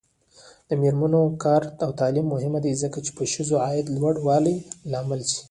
د میرمنو کار او تعلیم مهم دی ځکه چې ښځو عاید لوړولو لامل دی.